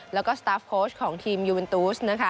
และก็สตาฟโคชของทีมยูเวนทูส